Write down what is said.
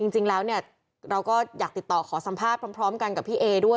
จริงแล้วเนี่ยเราก็อยากติดต่อขอสัมภาษณ์พร้อมกันกับพี่เอด้วย